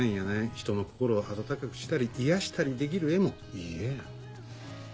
ひとの心を温かくしたり癒やしたりできる絵もいい絵や。